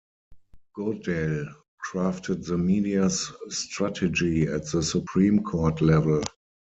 Goodale crafted the media's strategy at the Supreme Court level.